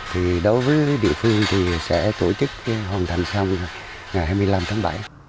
thì đối với địa phương sẽ tổ chức hoàn thành sau ngày hai mươi năm tháng bảy